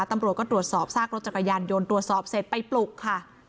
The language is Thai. ตำรวจก็ตรวจสอบซากรถจักรยานยนต์ตรวจสอบเสร็จไปปลุกค่ะ